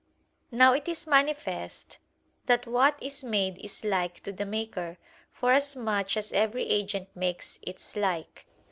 Now it is manifest that what is made is like to the maker, forasmuch as every agent makes its like.